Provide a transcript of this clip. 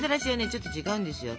ちょっと違うんですよ。